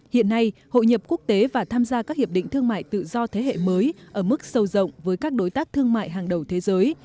hiện nay hội nhập quốc tế và tham gia các hiệp định thương mại tự do thế hệ mới ở mức sâu rộng với các đối tác thương mại hàng đầu thế giới